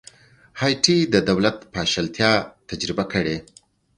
هایټي د دولت پاشلتیا تجربه کړې.